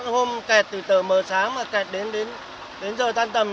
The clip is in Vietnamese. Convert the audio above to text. hôm kẹt từ tờ mờ sáng mà kẹt đến giờ tan tầm